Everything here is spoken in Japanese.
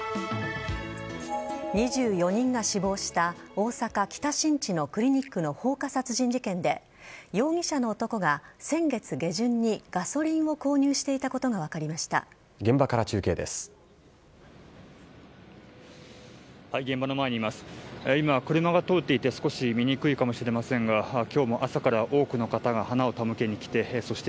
２４人が死亡した大阪・北新地のクリニックの放火殺人事件で、容疑者の男が先月下旬にガソリンを購入していたことが分かりました。